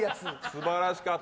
素晴らしかった。